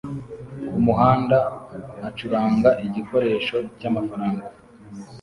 kumuhanda acuranga igikoresho cyamafaranga